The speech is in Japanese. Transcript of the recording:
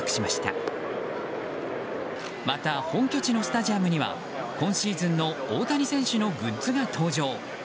また本拠地のスタジアムには今シーズンの大谷選手のグッズが登場。